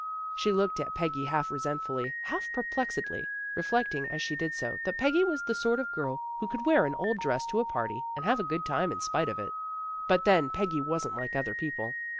She looked at Peggy half resentfully, half perplexedly, reflecting as she did so that Peggy was the sort of girl who could wear an old dress to a party and have a good time in spite of it. But, then, Peggy wasn't like other people.